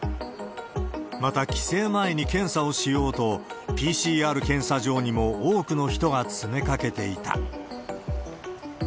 また、帰省前に検査をしようと、ＰＣＲ検査場にも多くの人が詰めかけていた。